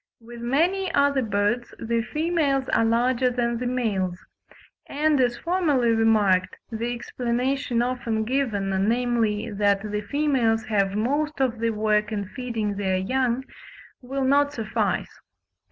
With many other birds the females are larger than the males; and, as formerly remarked, the explanation often given, namely, that the females have most of the work in feeding their young, will not suffice.